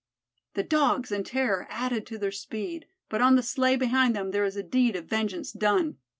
The Dogs, in terror, added to their speed; but on the sleigh behind them there is a deed of vengeance done.